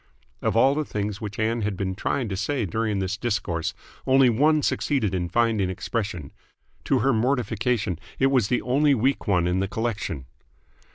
Of all the things which Ann had been trying to say during this discourse, only one succeeded in finding expression. To her mortification, it was the only weak one in the collection.